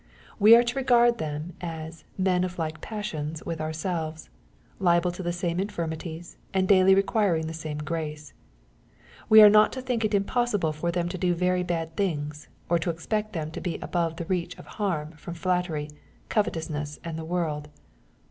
We are to regard them as " men of like passions'' with ourselves, liable to the same infirmities, and daily requiring the same grace. We are not to think it impossible for them to do very bad things, or to expect them to be above the reach of harm from flattery, covetousness, and the world.